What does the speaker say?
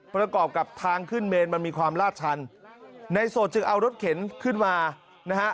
ประกอบกับทางขึ้นเมนมันมีความลาดชันในโสดจึงเอารถเข็นขึ้นมานะฮะ